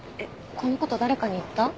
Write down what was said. このこと誰かに言った？